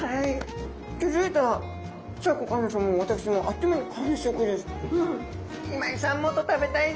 気付いたらシャーク香音さまも私もあっという間に完食です。